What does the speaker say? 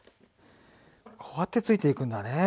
こうやってついていくんだね。